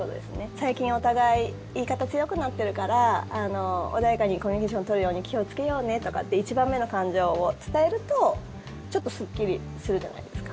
最近、お互い言い方、強くなってるから穏やかにコミュニケーション取るように気をつけようねとかって１番目の感情を伝えるとちょっとすっきりするじゃないですか。